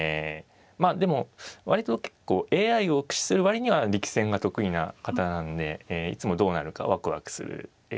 まあでも割と結構ＡＩを駆使する割には力戦が得意な方なんでいつもどうなるかワクワクする方ですね。